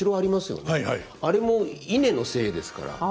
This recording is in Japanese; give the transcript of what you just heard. あれも稲の精ですから。